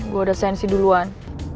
gue udah sensi duluan